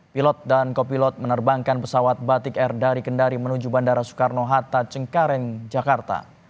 pilot dan kopilot menerbangkan pesawat batik air dari kendari menuju bandara soekarno hatta cengkareng jakarta